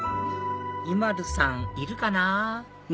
ＩＭＡＬＵさんいるかな？